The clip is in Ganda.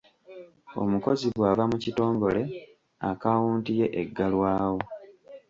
Omukozi bw'ava mu kitongole akaawunti ye eggalwawo.